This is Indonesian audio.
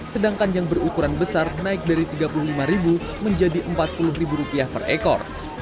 sedangkan yang berukuran besar naik dari rp tiga puluh lima menjadi rp empat puluh per ekor